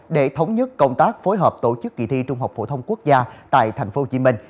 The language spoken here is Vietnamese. để thống nhất công tác phối hợp tổ chức kỳ thi trung học phổ thông quốc gia tại tp hcm